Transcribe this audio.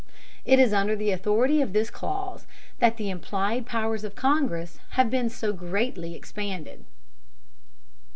It is under the authority of this clause, that the implied powers of Congress have been so greatly expanded.